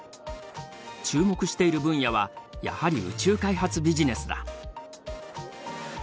注目している分野はやはり宇宙開発ビジネスだ。